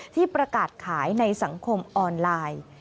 ที่ประกาศขายในสังคมออนไลน์